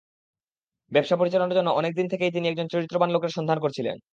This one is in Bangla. ব্যবসা পরিচালনার জন্য অনেক দিন থেকেই তিনি একজন চরিত্রবান লোকের সন্ধান করেছিলেন।